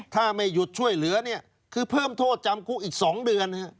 ถ้าไม่หยุดช่วยเหลือเนี่ยคือเพิ่มโทษจำคุกอีก๒เดือน